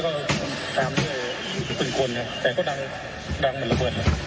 สเวนหนึ่งกว่านี้นะมันทิ้งดังสนั่งตึ้งแล้วก็ตามตึงคนครับแต่ก็ดังเหมือนระเบิดเลย